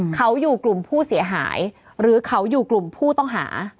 เขาอยู่กลุ่มผู้เสียหายหรือเขาอยู่กลุ่มผู้ต้องหา